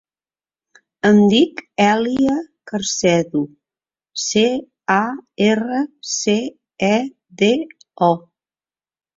Em dic Èlia Carcedo: ce, a, erra, ce, e, de, o.